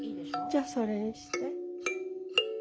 じゃそれにして。